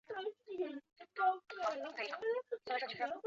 增六和弦还有一些有着古怪地名的名字的其他变形。